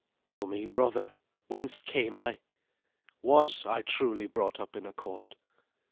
"Tell me, brother, whence came I? /Was/ I truly brought up in a court?"